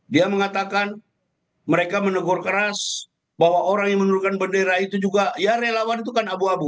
dia mengatakan mereka menegur keras bahwa orang yang menurunkan bendera itu juga ya relawan itu kan abu abu